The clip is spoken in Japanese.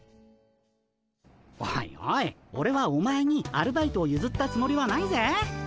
おいおいオレはお前にアルバイトをゆずったつもりはないぜ。